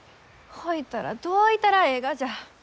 ほいたらどういたらえいがじゃ？